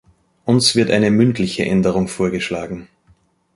Uns wird eine mündliche Änderung vorgeschlagen.